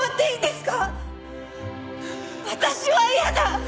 私は嫌だ！